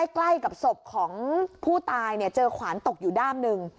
ใกล้กับศพของผู้ตายเจอขวานตกอยู่ด้ามหนึ่ง